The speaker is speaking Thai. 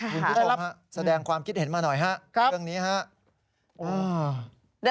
คุณพิธีโภคแสดงความคิดเห็นมาหน่อยครับเรื่องนี้ฮะ